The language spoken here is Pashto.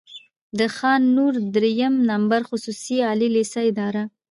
د خان نور دريیم نمبر خصوصي عالي لېسې اداره،